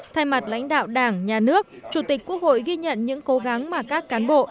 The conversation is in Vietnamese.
thay mặt lãnh đạo đảng nhà nước chủ tịch quốc hội ghi nhận những cố gắng mà các cán bộ